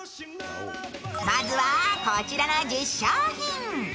まずは、こちらの１０商品。